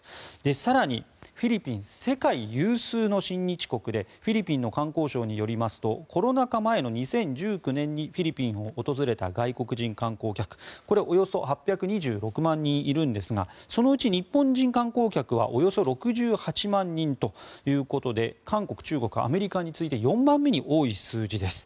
更に、フィリピンは世界有数の親日国でフィリピンの観光省によりますとコロナ禍前の２０１９年にフィリピンを訪れた外国人観光客これおよそ８２６万人いるんですがそのうち日本人観光客はおよそ６８万人ということで韓国、中国、アメリカに次いで４番目に多い数字です。